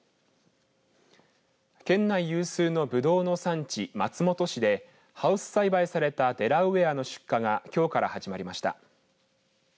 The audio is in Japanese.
県内有数のブドウの産地松本市でハウス栽培されたデラウエアの出荷がきょうから始まりました。